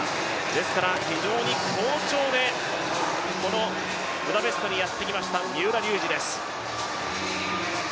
ですから非常に好調でブダペストにやってきました三浦龍司です。